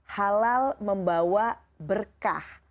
halal membawa berkah